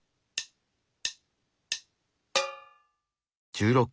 １６。